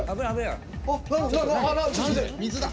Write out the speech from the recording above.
水だ。